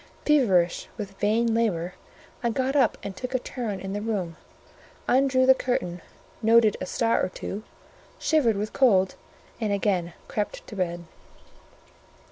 Feverish with vain labour, I got up and took a turn in the room; undrew the curtain, noted a star or two, shivered with cold, and again crept to bed.